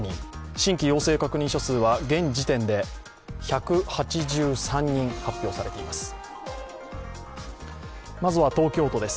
新規陽性確認者数は現時点で１８３人発表されています。